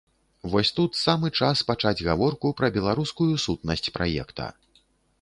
Вось тут самы час пачаць гаворку пра беларускую сутнасць праекта.